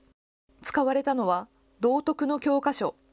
使われたのは道徳の教科書。